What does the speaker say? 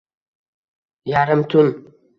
Yarim tun.